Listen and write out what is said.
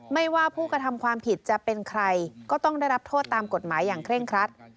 ไม่ว่าผู้กระทำความผิดจะเป็นใครก็ต้องได้รับโทษตามกฎหมายอย่างเคร่งครัด